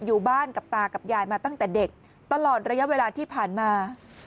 อยู่บ้านกับตากับยายมาตั้งแต่เด็กตลอดระยะเวลาที่ผ่านมา